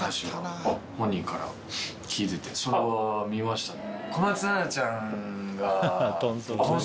それは見ましたね。